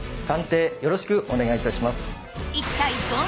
鑑定よろしくお願いいたします。